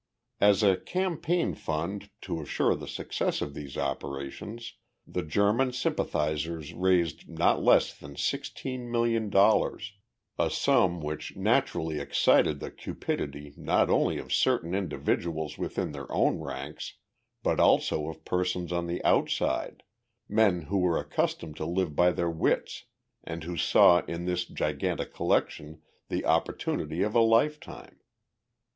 As a campaign fund to assure the success of these operations, the German sympathizers raised not less than sixteen million dollars a sum which naturally excited the cupidity not only of certain individuals within their own ranks, but also of persons on the outside men who were accustomed to live by their wits and who saw in this gigantic collection the opportunity of a lifetime.